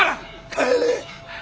帰れ！